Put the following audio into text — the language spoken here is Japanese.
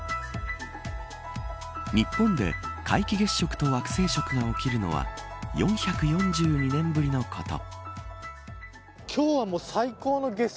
日本で皆既月食と惑星食が起きるのは４４２年ぶりのこと。